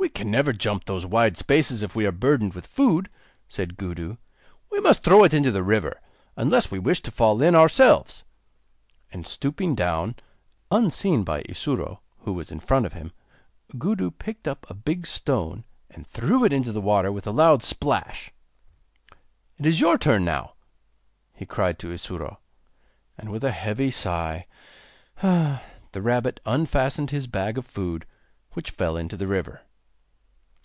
'We can never jump those wide spaces if we are burdened with food,' said Gudu, 'we must throw it into the river, unless we wish to fall in ourselves.' And stooping down, unseen by Isuro, who was in front of him, Gudu picked up a big stone, and threw it into the water with a loud splash. 'It is your turn now,' he cried to Isuro. And with a heavy sigh, the rabbit unfastened his bag of food, which fell into the river.